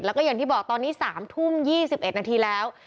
แล้วก็อย่างที่บอกตอนนี้๓ทุ่ม๒๑นาทีแล้ว